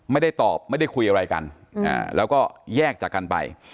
ไม่ได้ตอบไม่ได้คุยอะไรกันแล้วก็แยกจากกันไป